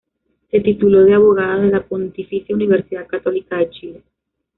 Se tituló de abogada de la Pontificia Universidad Católica de Chile.